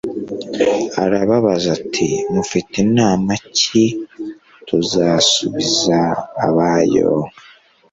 Arababaza ati Mufite nama ki tuzasubiza abayo